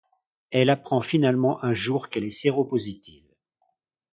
Elle apprend finalement un jour qu'elle est séropositive.